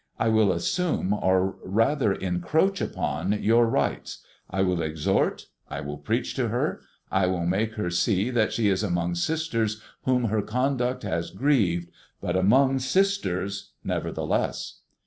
I will assume, or rather encroach upon your rights. I will exhort, I will preach to her; I will make her see that she is among sisters whom her conduct has grieved, but among sisters, nevertheless."